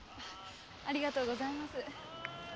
ありがとうございます。